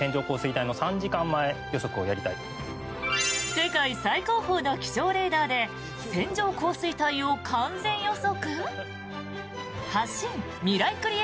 世界最高峰の気象レーダーで線状降水帯を完全予測！？